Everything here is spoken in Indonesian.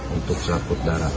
untuk selaput darahnya